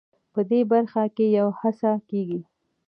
په دې برخه کې یوه هڅه کېږي.